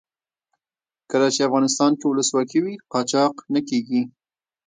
کله چې افغانستان کې ولسواکي وي قاچاق نه کیږي.